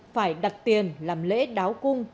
phải đặt tiền làm lễ đáo cung